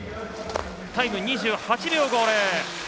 タイム２８秒５０。